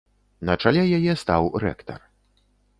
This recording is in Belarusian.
На чале яе стаў рэктар.